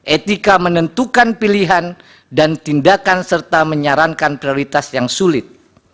etika menentukan pilihan dan tindakan serta menyarankan prioritas yang sulit